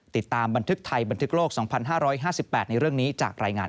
ติดตามบันทึกไทยบันทึกโลก๒๕๕๘ในเรื่องนี้จากรายงาน